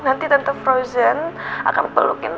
nanti tentu frozen akan pelukin